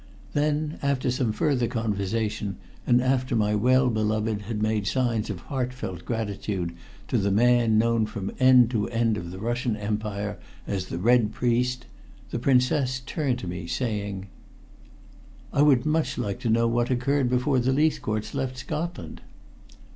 Then, after some further conversation, and after my well beloved had made signs of heartfelt gratitude to the man known from end to end of the Russian empire as "The Red Priest," the Princess turned to me, saying: "I would much like to know what occurred before the Leithcourts left Scotland."